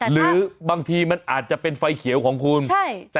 หรือบางทีมันอาจจะเป็นไฟเขียวของคุณ